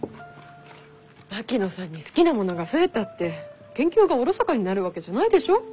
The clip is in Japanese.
槙野さんに好きなものが増えたって研究がおろそかになるわけじゃないでしょ？